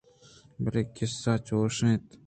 بلے قصّہ چُش اَت